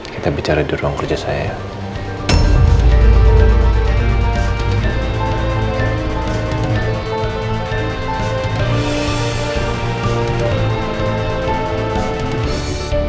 kita bicara di ruang kerja saya